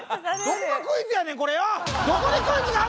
どこがクイズやねんこれ！